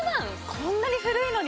こんなに古いのに？